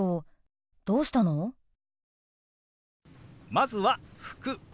まずは「服」。